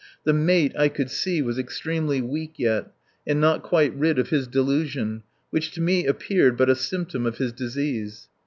The mate, I could see, was extremely weak yet, and not quite rid of his delusion, which to me appeared but a symptom of his disease.